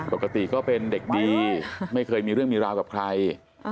ปกติก็เป็นเด็กดีไม่เคยมีเรื่องมีราวกับใคร